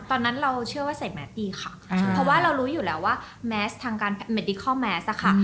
ตอนนั้นเราเชื่อว่าใส่แมสดีค่ะเพราะว่าเรารู้อยู่แล้วว่าแมสทางการเมดิคอลแมสอะค่ะ